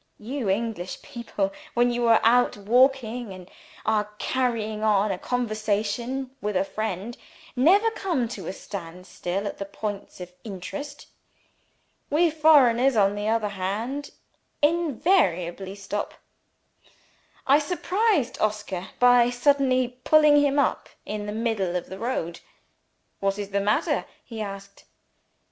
You English people, when you are out walking and are carrying on a conversation with a friend, never come to a standstill at the points of interest. We foreigners, on the other hand, invariably stop. I surprised Oscar by suddenly pulling him up in the middle of the road. "What is the matter?" he asked.